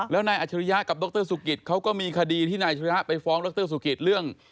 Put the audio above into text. แล้วนายอัชริยะกับดรสุกิตเขาก็มีคดีที่นายชะริยะไปฟ้องดรสุกิตเรื่อง